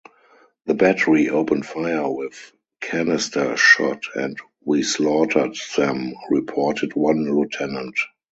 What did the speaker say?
The battery opened fire with canister shot and "we slaughtered them" reported one lieutenant.